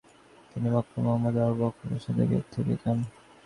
তিনি মক্কায় মুহাম্মদ ও আবু বকরের সাথে থেকে যান।